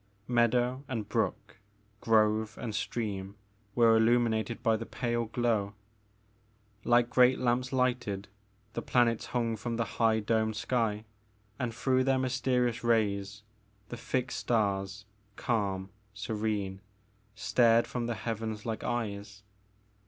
Meadow and brook, grove and stream, were illuminated by the pale glow. Like great lamps lighted the planets hung from the high domed sky and through their mysterious rays the fixed stars, calm, serene, stared from the heavens like eyes.